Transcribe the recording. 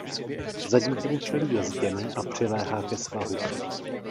Zadní průčelí je zděné a přiléhá ke svahu.